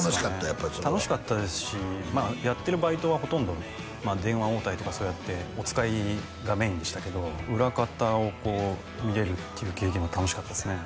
やっぱそれは楽しかったですしやってるバイトはほとんど電話応対とかそうやっておつかいがメインでしたけど裏方をこう見れるっていう経験は楽しかったですね